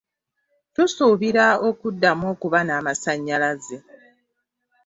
Tusuubira okuddamu okuba n'amasannyalaze.